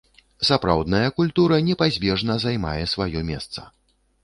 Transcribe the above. Сапраўдная культура непазбежна займае сваё месца.